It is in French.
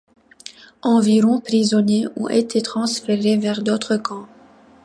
Environ prisonniers ont été transférés vers d’autres camps.